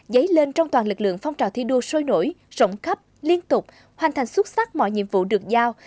dấy lên trong toàn lực lượng phong trào thi đua sôi nổi rộng khắp liên tục hoàn thành xuất sắc mọi nhiệm vụ được giao